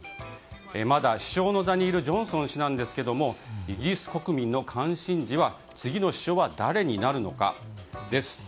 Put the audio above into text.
まだ首相の座にいるジョンソン氏ですがイギリス国民の関心事は次の首相は誰になるかです。